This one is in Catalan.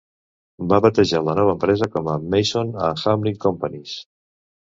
Va batejar la nova empresa com a "Mason and Hamlin Companies".